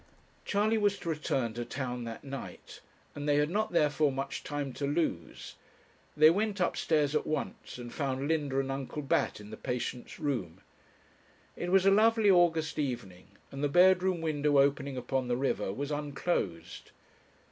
Charley was to return to town that night, and they had not therefore much time to lose; they went upstairs at once, and found Linda and Uncle Bat in the patient's room. It was a lovely August evening, and the bedroom window opening upon the river was unclosed.